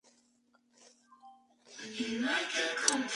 Estos loros consumen legumbres y frutas frescas y, a veces, granos, panizo.